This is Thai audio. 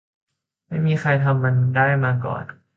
ไม่มีใครทำมันได้มาก่อน